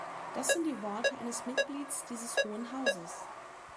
Das sind die Worte eines Mitglieds dieses Hohen Hauses.